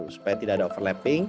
supaya tidak ada overlapping